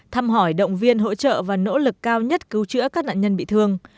thăm hỏi động viên hỗ trợ và nỗ lực cao nhất cứu chữa các nạn nhân bị thương